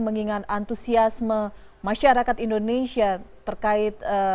mengingat antusiasme masyarakat indonesia terkait